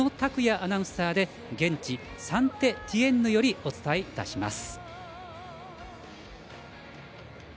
アナウンサーで現地サンテティエンヌよりお伝えいたします。